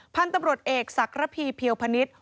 พันธุ์ตำรวจเอกศักระพีเพียวพนิษฐ์